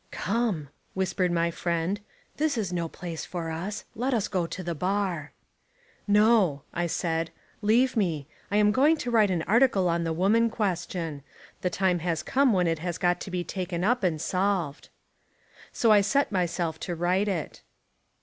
"Come," whispered my friend, "this is no place for us. Let us go to the bar." "No," I said, "leave me. I am going to write an article on the Woman Question. The time has come when it has got to be taken up and solved." So I set myself to write it.